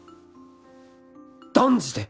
断じて！